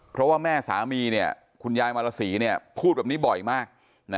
เพราะว่าแม่สามีคุณยายมารสีพูดแบบนี้บ่อยมาก